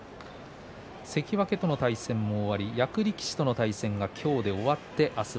関脇との対戦も終わり役力士との対戦が今日終わりました。